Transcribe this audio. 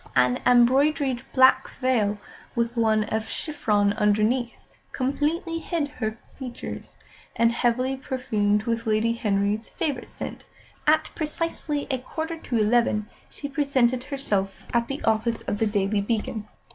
An embroidered black veil, with one of chiffon underneath, completely hid her features; and, heavily perfumed with Lady Henry's favourite scent, at precisely a quarter to eleven she presented herself at the office of The Daily Beacon.